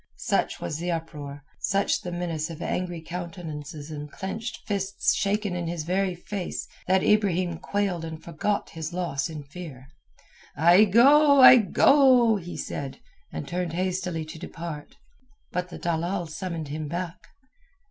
Such was the uproar, such the menace of angry countenances and clenched fists shaken in his very face, that Ibrahim quailed and forgot his loss in fear. "I go, I go," he said, and turned hastily to depart. But the dalal summoned him back.